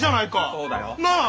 そうだよ。なあ？